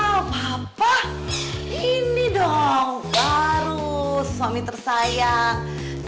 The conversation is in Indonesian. wow papa ini dong garus suami tersayang